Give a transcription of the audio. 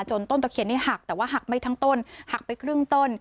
ต้นตะเคียนนี้หักแต่ว่าหักไม่ทั้งต้นหักไปครึ่งต้น